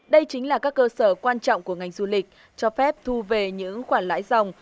đây chính là các cơ sở quan trọng của ngành du lịch cho phép thu về những khoản lãi dòng